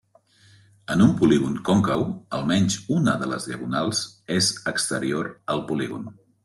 En un polígon còncau, almenys una de les diagonals és exterior al polígon.